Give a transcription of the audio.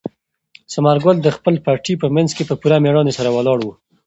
ثمر ګل د خپل پټي په منځ کې په پوره مېړانې سره ولاړ و.